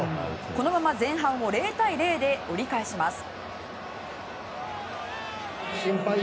このまま前半を０対０で折り返します。